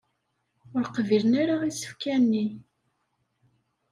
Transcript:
Ur qbilen ara isefka-nni.